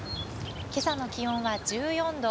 けさの気温は１４度。